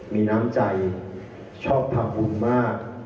มีน้ำใจชอบทำบุญมาก